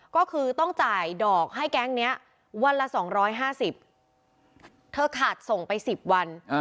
ก็คือต้องจ่ายดอกให้แก๊งเนี้ยวันละสองร้อยห้าสิบเธอขาดส่งไปสิบวัน